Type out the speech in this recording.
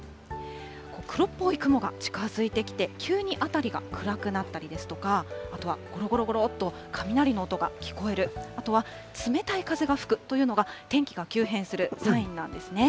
黒っぽい雲が近づいてきて、急に辺りが暗くなったりですとか、あとはごろごろごろっと雷の音が聞こえる、あとは冷たい風が吹くというのが、天気が急変するサインなんですね。